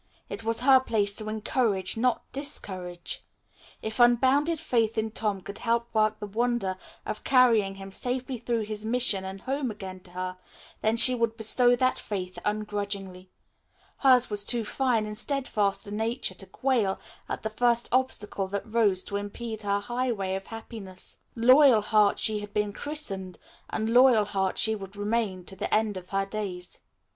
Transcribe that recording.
It was her place to encourage, not discourage. If unbounded faith in Tom could help work the wonder of carrying him safely through his mission and home again to her, then she would bestow that faith ungrudgingly. Hers was too fine and steadfast a nature to quail at the first obstacle that rose to impede her highway of happiness. "Loyalheart" she had been christened and "Loyalheart" she would remain to the end of her days.